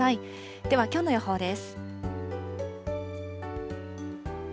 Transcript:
ではきょうの予報です。